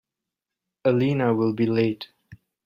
Elena will be late.